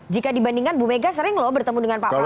jika dibandingkan bumega sering loh bertemu dengan pak prabowo